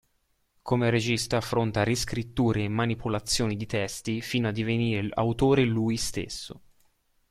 Come regista affronta riscritture e manipolazioni di testi, fino a divenire autore lui stesso.